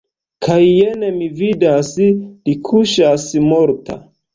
Kaj jen mi vidas – li kuŝas morta!